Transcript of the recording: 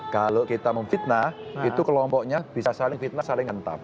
kalau kita memfitnah itu kelompoknya bisa saling fitnah saling ngentap